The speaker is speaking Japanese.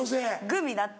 グミだって。